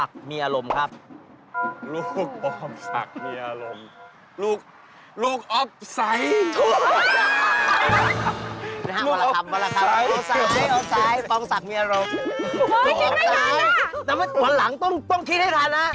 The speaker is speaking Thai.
ต้องคิดให้ทันนะ